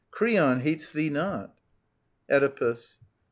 Creon hates thee not. Oedipus.